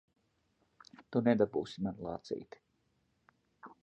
Tu nedabūsi manu lācīti!